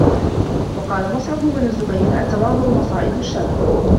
وَقَالَ مُصْعَبُ بْنُ الزُّبَيْرِ التَّوَاضُعُ مَصَائِدُ الشَّرَفِ